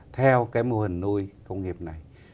theo cái mô hình nuôi công nghiệp này